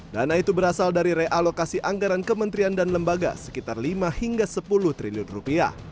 dana itu berasal dari realokasi anggaran kementerian dan lembaga sekitar lima hingga sepuluh triliun rupiah